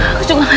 aku juga gak tau